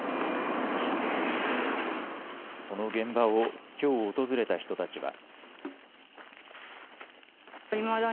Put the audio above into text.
その現場をきょう訪れた人たちは。